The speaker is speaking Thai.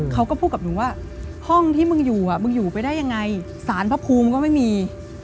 เขาก็พูดกับหนูว่าห้องที่มึงอยู่มึงอยู่ไปได้ยังไงสารพระภูมิก็ไม่มี